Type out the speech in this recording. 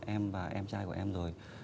em và em trai của em rồi